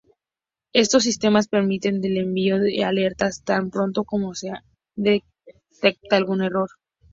Estos sistemas permiten el envío de alertas tan pronto como se detecta algún error.